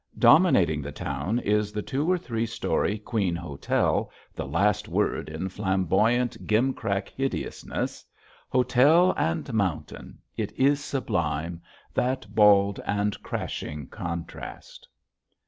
Dominating the town is the two or three story "Queen Hotel," the last word in flamboyant, gimcrack hideousness. Hotel and Mountain! it is sublime, that bald and crashing contrast.